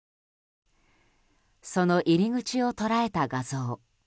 その入り口を捉えた画像。